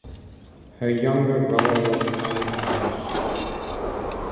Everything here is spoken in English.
Her younger brother was Thomas Ashe.